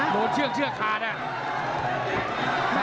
โดดเชื่อกขาดน่ะ